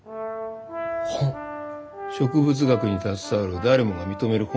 植物学に携わる誰もが認める本を出すんだ。